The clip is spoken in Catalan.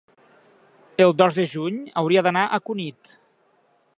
el dos de juny hauria d'anar a Cunit.